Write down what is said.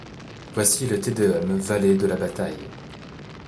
Voici le Te Deum valet de la bataille ;